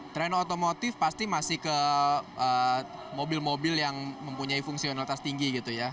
tren otomotif pasti masih ke mobil mobil yang mempunyai fungsionalitas tinggi gitu ya